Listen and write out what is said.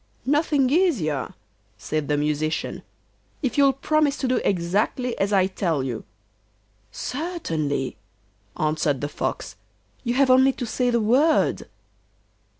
'Nothing easier,' said the Musician, 'if you'll promise to do exactly as I tell you.' 'Certainly,' answered the Fox, 'you have only to say the word.